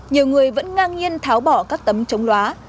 nhiều người vẫn ngang nhiên tháo bỏ các tấm chống loá